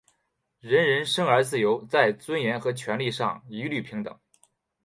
人人生而自由,在尊严和权利上一律平等。